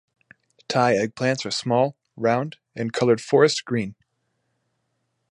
Thai eggplants are small, round, and colored forest green.